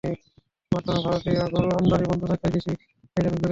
বর্তমানে ভারতীয় গরু আমদানি বন্ধ থাকায় দেশি গরুর চাহিদা অনেক বেড়েছে।